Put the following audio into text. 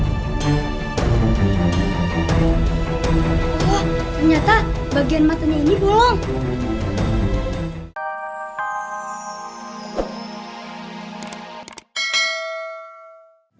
wah ternyata bagian matanya ini bulung